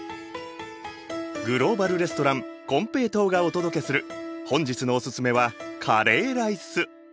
グローバル・レストランこんぺいとうがお届けする本日のオススメはカレーライス。